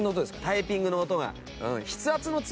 タイピングの音が。